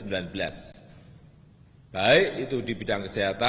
baik itu di bidang kesehatan maupun di bidang kesehatan